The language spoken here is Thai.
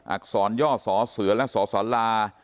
อักษรย่าส๋อสื่อและส๋อสรา